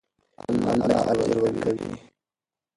الله اجر ورکوي.